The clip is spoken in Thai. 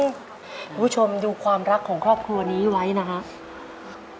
คุณผู้ชมดูความรักของครอบครัวนี้ไว้นะครับ